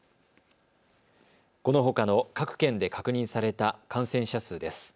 このほかの各県で確認された感染者数です。